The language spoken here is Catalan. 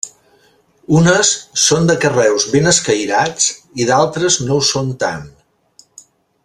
Unes són de carreus ben escairats i d'altres no ho són tant.